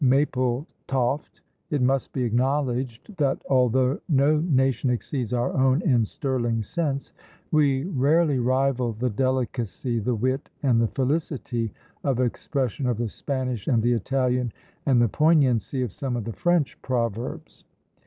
Mapletoft. It must be acknowledged, that although no nation exceeds our own in sterling sense, we rarely rival the delicacy, the wit, and the felicity of expression of the Spanish and the Italian, and the poignancy of some of the French proverbs.